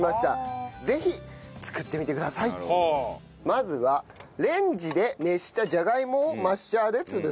まずはレンジで熱したじゃがいもをマッシャーで潰す。